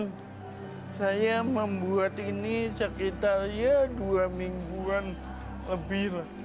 dan saya membuat ini sekitar ya dua mingguan lebih